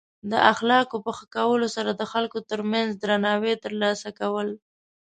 د اخلاقو په ښه کولو سره د خلکو ترمنځ درناوی ترلاسه کول.